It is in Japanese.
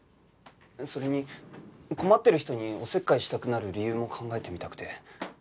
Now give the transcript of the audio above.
それに困ってる人におせっかいしたくなる理由も考えてみたくて。